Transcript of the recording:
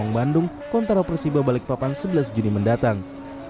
kondisi bandung kontra persif balik papan sebelas juni mendatang